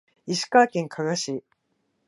石川県加賀市